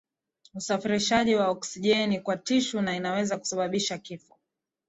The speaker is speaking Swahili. usafirishaji wa oksijeni kwa tishu na inaweza kusababisha kifo